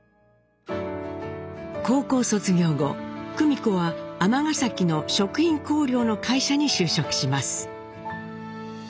高校卒業後久美子は尼崎の食品香料の会社に就職します。